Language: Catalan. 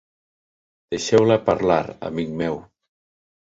Deixeu-la parlar, amic meu.